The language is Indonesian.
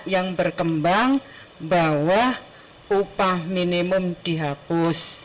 yang berkembang bahwa upah minimum dihapus